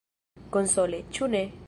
Konsole, ĉu ne?